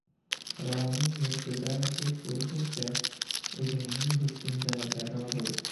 Birovning yurtida bek bo'lguncha, o'zingning yurtingda gado bo'l.